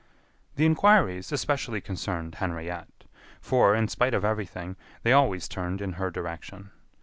The inquiries especially concerned Henriette, for, in spite of everything, they always turned in her direction.